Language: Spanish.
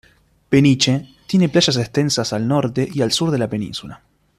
Peniche tiene playas extensas al norte y al sur de la península.